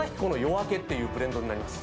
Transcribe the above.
はいっていうブレンドになります